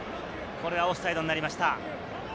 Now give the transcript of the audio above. これはオフサイドになりました。